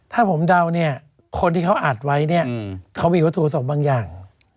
ถ้าผมเดาเนี่ยคนที่เขาอัดไว้เนี่ยเขามีวัตถุประสงค์บางอย่าง